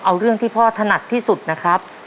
เอาเรื่องที่พ่อถนัดที่สุดนะครับ